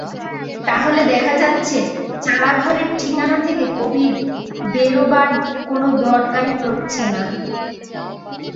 তাহলে দেখা যাচ্ছে, চালাঘরের ঠিকানা থেকে কবির বেরোবার কোনো দরকারই পড়ছে না।